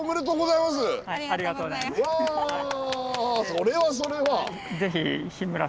それはそれは。